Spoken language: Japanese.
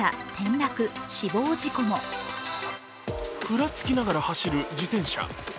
ふらつきながら走る自転車。